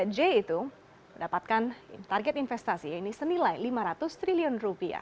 empat j itu mendapatkan target investasi yaitu senilai rp lima ratus triliun